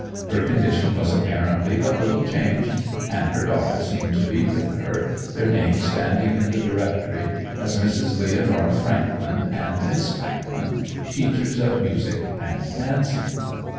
Her condition was apparently but little changed, and her daughter seemed to be with her, their names standing in the Directory as 'Mrs. Leonora Frankland and Miss Frankland, Teachers of Music and Dancing.